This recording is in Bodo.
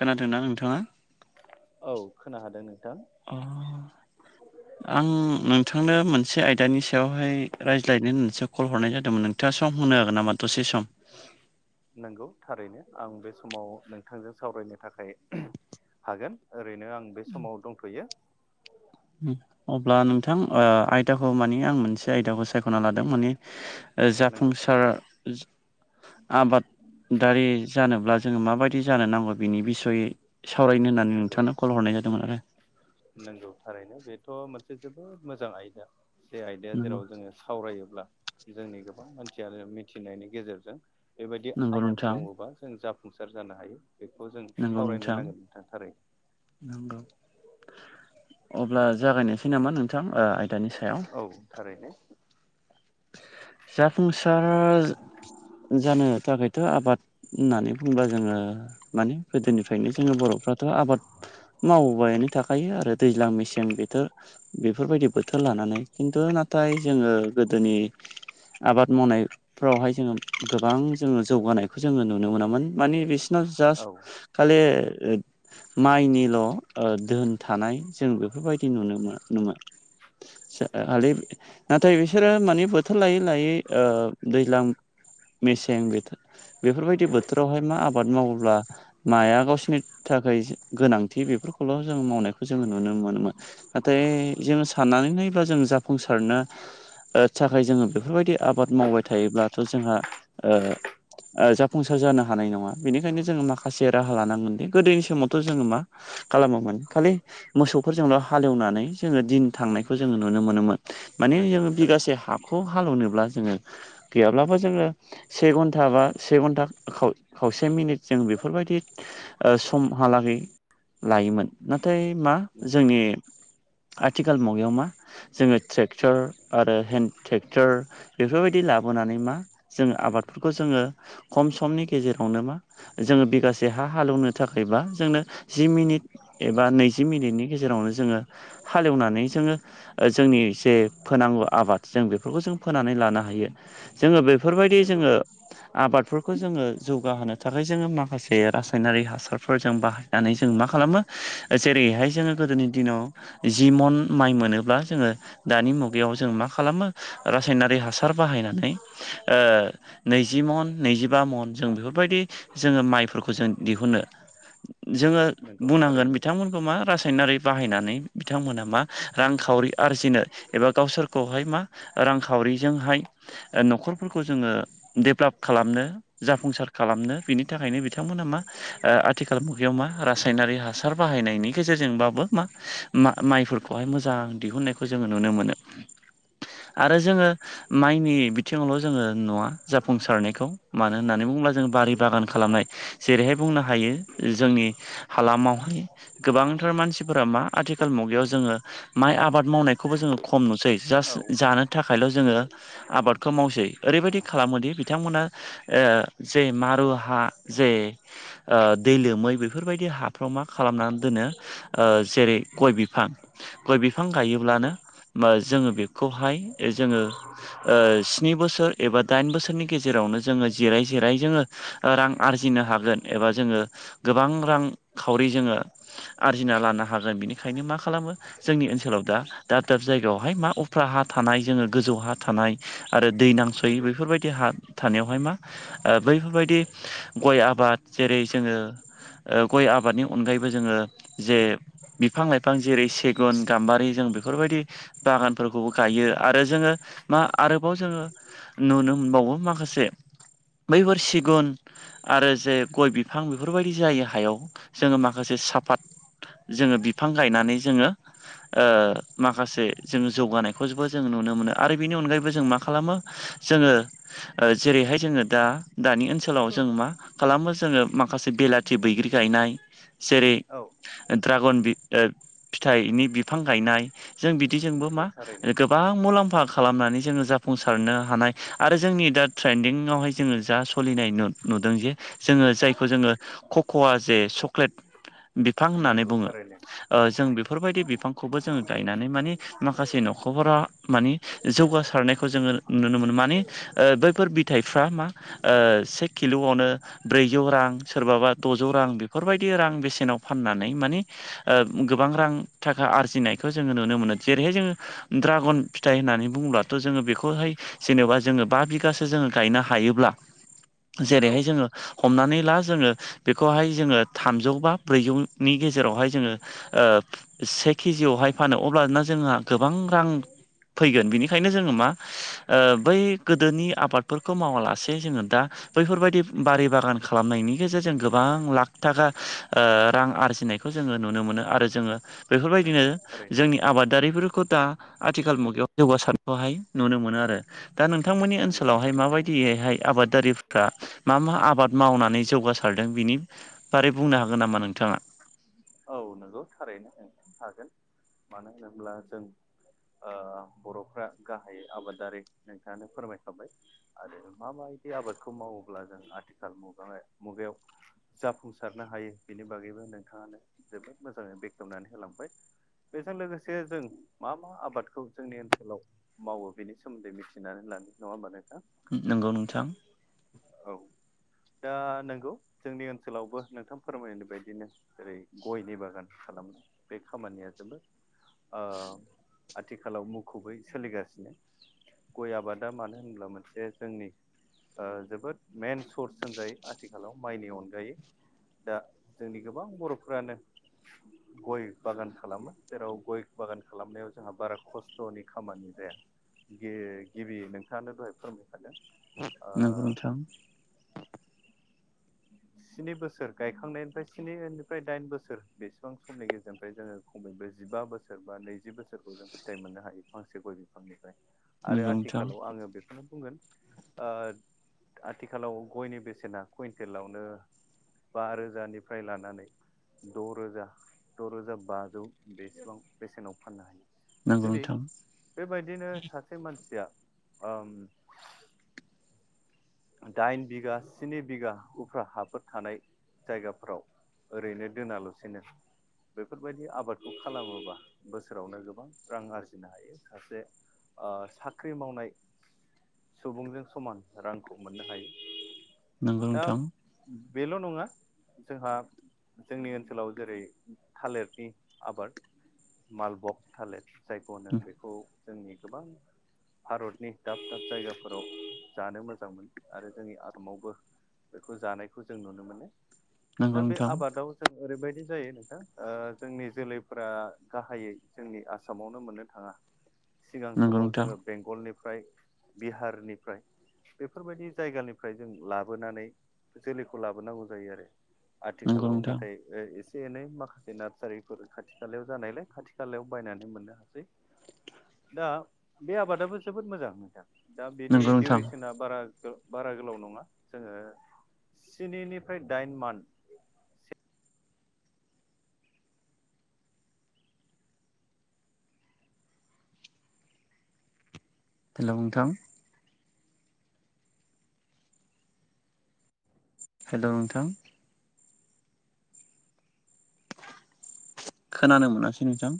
खोनादोंना नोंथाङा? औ खोना हादों नोंथां। अह आं नोंथांनो मोनसे आयदानि सायावहाय रायज्लायनो होननासो कल हरनाय जादोंमोन नों थाङा सम होनो हागोन नामा दसे सम? नोंगौ थारैनो आं बे समाव नोंथांजों सावरायनो थाखाय हागोन ओरैनो आं बे समाव दंथ'यो उम। अब्ला नोंथां ओ आयदाखौ माने आं मोनसे आयदाखौ सायख'ना लादों माने ओ नंगौ जाफुंसार ज आबाद दारि जानोब्ला जोङो माबायदि जानो नांगौ बिनि बिसयै सावरायनो होननानै नोंथांनो कल हरनाय जादोंमोन आरो। नोंगौ थारैनो बेथ' मोनसे जोबोद मोजां आयदा जे आयदाया नंगौ जेराव जोङो सावरायोब्ला जोंनि गोबां मानसियानो मिथिनायनि गेजेरजों बेबायदि नंगौ आबाद नोंथां मावोबा जों जाफुंसार जानो हायो बेखौ जों सावरायनो नांगोन नोंथां थारै नोंगौ अब्ला जागायनोसै नामा नोंथां ओ आयदानि सायाव। औ थारैनो। जाफुंसार जानो थाखायथ' आबाद होननानै बुंब्ला जोङो माने गोदोनिफ्रायनो जोङो बर'फ्राथ' आबाद मावबायानो थाखायो आरो दैज्लां मेसें बेथोर बेफोरबायदि बोथोर लानानै खिन्थु नाथाय जोङो गोदोनि आबाद मावनाय फ्रावहाय जोङो गोबां जोङो जौगानायखौ जोङो नुनो मोनामोन माने बिसोरनाव औ जास्ट खाले ओ माइनिल' ओ दोन थानाय जों बेफोरबायदि नुनो मो नुमोन। से हालि नाथाय बिस सोरो माने बोथोर लायै लायै ओ दैज्लां मेसें बोथोर बेफोरबायदि बोथोरावहाय मा आबाद मावोब्ला माया गावसिनि थाखाय गोनांथि बेफोरखौल' जों मावनायखौ जोङो नुनो मोनोमोन। नाथाय जोङो साननानै नायोब्ला जों जाफुंसारनो थाखाय जोङो बेफोरबायदि आबाद मावबाय थायोब्लाथ' जोंहा ओ ओ जाफुंसार जानो हानाय नङा बेनिखायनो जोङो माखासे राहा लानांगोन दि गोदोनि समावथ' जोङो मा खालामोमोन खालि मोसौफोरजोंल' हालेवनानै जोङो दिन थांनायखौ जोङो नुनो मोनोमोन। माने नंगौ जोङो थारैनो बिगासे हाखौ हालेवनोब्ला जोङो गैयाब्लाबो जोङो से घन्टा बा से घन्टा खाव खावसे मिनिट जों बेफोरबायदि ओ सम हालागै लायोमोन नाथाय मा नंगौ जोंनि आथिखाल मुगायाव मा जोङो ट्रेक्टर आरो हेन्द ट्रेक्टर बेफोरबायदि लाबोनानै मा जोङो आबादफोरखौ जोङो खम समनि गेजेरावनो मा जोङो बिगासे हा हालौनो थाखायबा जोंनो जि मिनिट एबा नैजि मिनिटनि गेजेरावनो जोङो हालेवनानै जोङो ओ जोंनि जे फोनांगौ आबाद जों बेफोरखौ जों फोनानै लानो हायो जोङो बेफोरबायदि नंगौ जोङो आबादफोरखौ जोङो जौगाहोनो थाखाय जोङो माखासे रासायनारि हासारफोरजों बा नानै जों मा खालामो जेरैहाय जोङो गोदोनि दिनाव जि मन माइ मोनोब्ला जोङो दानि मुगायाव जों मा खालामो रासायनारि हासार बाहायनानै ओ नैजि मन नैजिबा मन जों बेफोरबायदि जोङो माइफोरखौ जों दिहुनो जोङो नंगौ बुंनांगोन थारैनो बिथांमोन मा रासायनारि बाहायनानै बिथांमोना मा रांखावरि आरजिनो एबा गावसोर खहाय मा रांखावरिजोंहाय न'खरफोरखौ जोङो देब्लाप खालामनो जाफुंसार खालामनो बिनि थाखायनो बिथांमोना मा ओ आथिखाल मुगायाव मा रासायनारि हा हासार बाहायनायनि गेजेरजोंबाबो मा मा माइफोरखौहाय मोजां दिहुुननायखौ जोङो नुनो मोनो। आरो जोङो माइनि बिथिङावल' जोङो नुवा जाफुंसारनायखौ मानो होननानै बुङोब्ला जों बारि बागान खालामनाय जेरैहाय बुंनो हायो जोंनि हालामाव गोबांथार मानसिफोरा मा आथिखाल मुगायाव जोङो माइ आबाद मावनायखौबो जोङो खम नुसै। औ जास्ट जानो थाखायल' जोङो आबादखौ मावसै ओरैबायदि खालामोदि बिथांमोना ओ जे मारु हा जे ओ दै लोमै बेफोरबायदि हाफ्राव मा खालामनानै दोनो ओ जेरै गय बिफां गय बिफां गायोब्लानो नंगौ जोङो बेखौहाय जोङो ओ स्नि बोसोर एबा दाइन बोसोरनि गेजेरावनो जोङो जिराय जिराय जोङो रां आरजिनो हागोन एबा जोङो गोबां रां खावरि जोङो आरजिना लानो हागोन बेनिखायनो मा खालामो जोंनि ओनसोलाव दा दाब दाब जायगायाव बेहाय मा उफ्रा हा थानाय जोङो गोजौ हा थानाय आरो दै नांसयै नंगौ बेफोरबाय देहा थानायावहाय मा ओ बैफोरबायदि गय आबाद जेरै जोङो ओ गय आबादनि अनगायैबो जोङो जे बिफां लाइफां जेरै सेगुन गाम्बारि जों बेफोरबायदि बागानफोरखौबो गायो आरो जोङो मा आरोबाव जोङो नुनो मोनबावो माखासे बैफोर सिगुन आरो जे गय बिफां बेफोरबायदि जायो हायाव जोङो माखासे साफात जोङो बिफां गायनानै जोङो ओ माखासे जोङो जौगानायखौबो जों नुनो मोनो आरो बेनि अनगायैबो जों मा खालामो जोङो ओ जेरैहाय जोङो दा दानि ओनसो लाव जों मा खालामो जोङो माखासे बेलाथि बैग्रि गायनाय जेरे औ। ड्रागन बि आरो फिथाइनि बिफां गायनाय जों बिदिजोंबो मा नंगौ थारैनो गो बां मुलाम्फा खालामनानै जोङो जाफुंसारनो हानाय आरो जोंनि दा ट्रेन्दिंआवहाय जोङो जा सलिनाय नु-नुदों जे जोङो जायखौ जोङो कक'आ जे चक्लेट बिफां होननानै नंगौ बुङो थारैनो ओ जों बेफोरबायदि बिफांखौबो जोङो गायनानै मानि माखासे न'खरा मानि जौगासारनायखौ जोङो नुनो मोनो माने ओ बैफोर बिथाइफ्रा मा ओ से किल'आवनो ब्रैजौ रां सोरबाबा द'जौ रां बेफोरबायदि रां बेसेनाव फाननानै माने ओ गोबां रां थाखा आरजिनायखौ जोङो नुनो मोनो जेरैहाय जोङो ड्रागन फिथाइ होननानै बुंङोबाथ' जोङो बेखौहाय जेनेबा जोङो बा बिगासो जोङो गायनो हायोब्ला औ जेरैहाय जोङो हमनानै ला जोङो बेखौहाय जोङो थामजौ बा ब्रैजौनि गेजेरावहाय जोङो ओ से केजियावहाय फानो अब्लाना जोंहा गोबां रां फैगोन बिनिखायनो जोङो मा ओ बै गोदोनि आबादफोरखौ मावालासे जोङो दा बैफोरबायदि बारि बागान खालामनायनि गेजेरजों गोबां लाख थाखा ओ रां आरजिनाय खौ जोङो नुनो मोनो आरो जोङो बेफोरबायदिनो नंगौ थारैनो जोंनि आबाद दारिफोरखौ दा आथिखाल मुगायाव जौगासारनायखौहाय नुनो मोनो आरो। दा नोंथांमोननि नंगौ ओनसोलावहाय थारैनो माबायदियहाय आबाद दारिफ्रा मा मा आबाद मावनानै जौगासारदों बिनि बारै बुंनो हागोन नामा नोंथाङा? औ नोंगौ थारैनो ओं हागोन मानो होनोब्ला जों ओ बर'फ्रा गाहायै आबादारि नोंथाङानो फोरमायखाबाय आरो मा मायदि आबादखौ मावोब्ला जों आथिखाल मुग मुगायाव जाफुंसारनो हायो बेनि बागैबो नोंथाङानो जोबोद मोजाङै बेखेवनानै होलांबाय। बेजों लोगोसे जों मा मा आबादखौ जोंनि ओनसोलाव मावो बेनि सोमोन्दै मिथिनानै लानो नङा होमबा नोंथां नंगौ नोंथां। औ। दा नोंगौ जोंनि ओनसोलावबो नोंथां फोरमायनाय बायदिनो ओेरै गयनि बागान खालामनाय बे खामानिया जोबो। ओ आथिखालाव मुखुबै सोलिगासिनो गय आबादा मानो होनब्ला मोनसे जोंनि ओ जो जोबोद मइेन सर्स होनजायो आथिखालाव माइनि अनगायै दा जोंनि गोबां बर'फोरानो [inaudible] गय बागान खालामो जेराव गय बागान खालामनायाव जोंहा बारा खस्थ'नि खामानि जाया। ये गिबि नोंथाङानो दहाय फोरमायखादों। नोंगौ ओ नोंथां। [inaudible] स्नि बोसोर गायखांनायनिफ्राय स्निनिफ्राय दाइन बोसोर बेसेबां समनि गेजेरनिफ्राय जोङो नैजिबा बोसोर बा नैजि बोसोरखौ जों फिथाइ मोननो हायो फांसे गय बिफांनिफ्राय। आरो नंगौ नोंथां आथिखालाव आङो बेखौ खौ बुंगोन। ओ आथिखालाव गयनि बेसेना कुइन्टेलावनो बा रोजानिफ्राय लानानै। द' रोजा द'रोजा बाजौ बेसेबां बेसेनाव फाननो हायो। नंगौ जुदि नोंथां बेबायदिनो सासे मानसिया ओम दाइन बिगा स्नि बिगा उफ्रा हाफोर थानाय जायगाफोराव। ओरैनो दोनालासिनो बेफोरबायदि आबादखौ खालामोबा बोसोरावनो गोबां रां आरजिनो हायो। सासे ओ साख्रि मावनाय सुबुंजों समान रां खौ मोननो हायो। नंगौ दा नोंथां। बेल' नङा। जोंहा जोंनि ओनसोलाव जेरै थालिरनि आबाद मालबक थालिर जायखौनो बेखौ। जोंनि गोबां भारतनि दाब दाब जायगाफोराव जानो मोजां मोजां मोनो आरो जोंनि आसामावबो बेखौ जानायखौ जों नुनो मोनो दा नंगौ बे नोंथां आबादाव। जों ओरैबायदि जायो नोंथां ओ जोंनि जोलैफोरा गाहायै जोंनि आसामावनो मोननो थाङा। [inaudible] सिगां नंगौ समाव नोंथां जोङो बेंगलनिफ्राय बिहारनिफ्राय। बेफोरबायदि जायगानिफ्राय जों लाबोनानै जोलैखौ लाबोनांगौ जायो आरो। नंगौ आथिखालाव नोंथां नाथाय। एसे एनै माखासे नार्सारिफोर खाथि खालायाव जानायलाय खाथि खालायाव बायनानै मोननो हासै। दा बे आबादाबो जोबोद मोजां नोंथां दा बेनि नंगौ नोंथां डउरेसना। बारा बारा गोलाव नंङा जोंङो स्निनिफ्राय दाइन मान हेल' नोंथां हेल' नोंथां। खोनानो मोनासै नोंथां